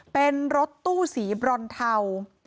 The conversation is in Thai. เป็นรถตู้สีบรอนเทา